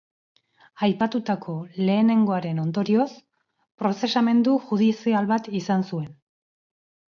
Aipatutako lehenengoaren ondorioz, prozesamendu judizial bat izan zuen.